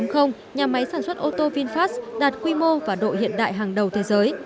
nhà máy sản xuất ô tô vinfast đạt quy mô và độ hiện đại hàng đầu thế giới